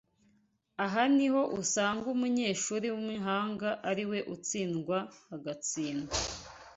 Aha niho usanga umunyeshuri w’umuhanga ari we utsindwa hagatsinda